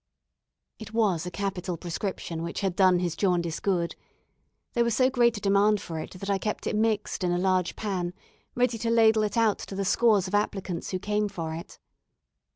It was a capital prescription which had done his jaundice good. There was so great a demand for it, that I kept it mixed in a large pan, ready to ladle it out to the scores of applicants who came for it.